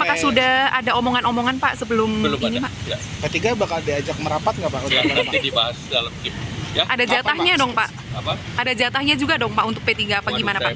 ada jatahnya dong pak ada jatahnya juga dong pak untuk p tiga apa gimana pak